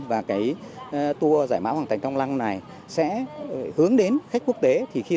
và cái tour giải mã hoàng thành trang long này sẽ hướng đến khách quốc tế